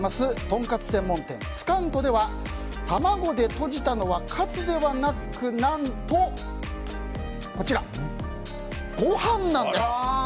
とんかつ専門店つかんとでは卵でとじたのはカツではなく何と、ご飯なんです。